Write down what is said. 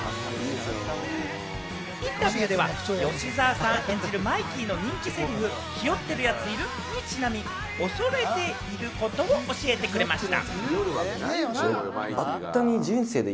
インタビューでは吉沢さん演じるマイキーの人気のせりふ、「日和ってる奴いる？」にちなみ、恐れていることを教えてくれました。